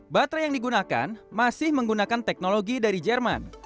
baterai yang digunakan masih menggunakan teknologi dari jenis motor